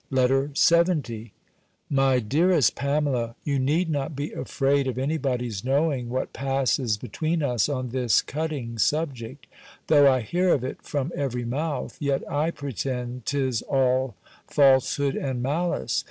LETTER LXX MY DEAREST PAMELA, You need not be afraid of any body's knowing what passes between us on this cutting subject. Though I hear of it from every mouth, yet I pretend 'tis all falsehood and malice.